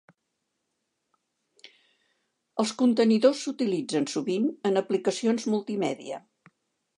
Els contenidors s'utilitzen sovint en aplicacions multimèdia.